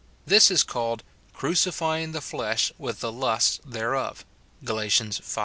This is called " crucifying the flesh with the lusts thereof," Gal. v.